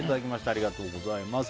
ありがとうございます。